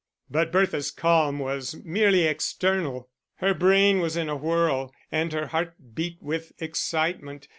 But Bertha's calm was merely external, her brain was in a whirl, and her heart beat with excitement.